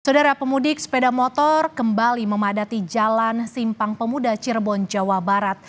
saudara pemudik sepeda motor kembali memadati jalan simpang pemuda cirebon jawa barat